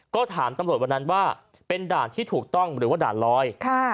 ก็ถามตำรวจวันนั้นว่าเป็นด่านที่ถูกต้องหรือว่าด่านลอย